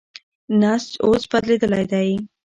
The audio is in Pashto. نسج اوس بدلېدلی دی.